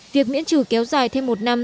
việc miễn trừ kéo dài thêm một năm